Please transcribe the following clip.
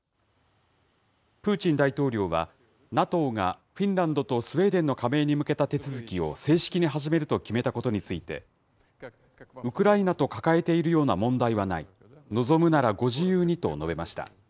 プーチン大統領はＮＡＴＯがフィンランドとスウェーデンの加盟に向けた手続きを、正式に始めると決めたことについて、ウクライナと抱えているような問題はない、望むならご自由にと述べました。